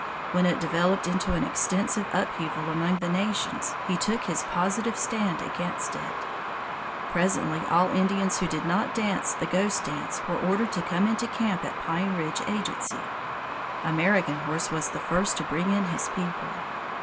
When it developed into an extensive upheaval among the nations he took his positive stand against it. Presently all Indians who did not dance the Ghost Dance were ordered to come into camp at Pine Ridge agency. American Horse was the first to bring in his people.